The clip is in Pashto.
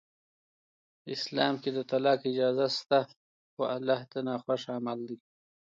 اسلام کې د طلاق اجازه شته خو الله ج ته ناخوښ عمل دی.